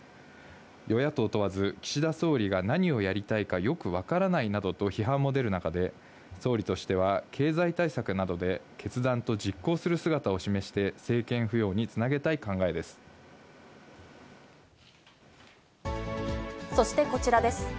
与野党問わず、岸田総理が何をやりたいかよく分からないなどと批判も出る中で、総理としては、経済対策などで決断と実行する姿を示して、そしてこちらです。